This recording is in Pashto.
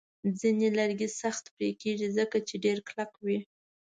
ځینې لرګي سخت پرې کېږي، ځکه چې ډیر کلک وي.